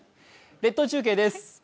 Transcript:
列島中継です。